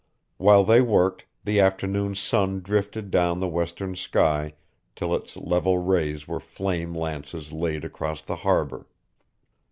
While they worked, the afternoon sun drifted down the western sky till its level rays were flame lances laid across the harbor.